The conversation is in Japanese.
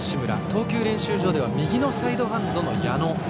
投球練習場では右のサイドハンドの矢野。